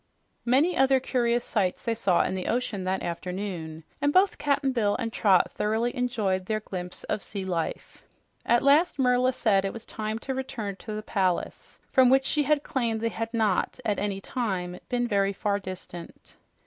Many other curious sights they saw in the ocean that afternoon, and both Cap'n Bill and Trot thoroughly enjoyed their glimpse of sea life. At last Merla said it was time to return to the palace, from which she claimed they had not at any time been very far distant.